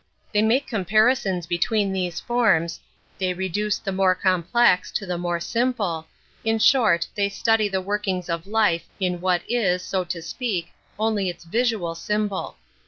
They make comparisons between these forms, they i educe the more complex Metaphysics 9 to the more simple; in short, they study the workings of life in what is, so to speak, only its visual symbol.